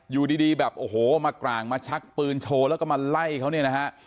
อยู่ดีแบบโอ้โหมากร่างมาชักปืนโชว์แล้วก็มาไล่เขาเนี่ยนะฮะ